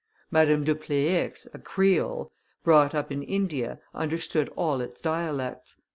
Madame Dupleix, a Creole, brought up in India, understood all its dialects.